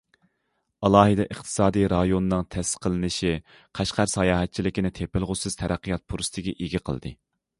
ئالاھىدە ئىقتىسادىي رايوننىڭ تەسىس قىلىنىشى قەشقەر ساياھەتچىلىكىنى تېپىلغۇسىز تەرەققىيات پۇرسىتىگە ئىگە قىلدى.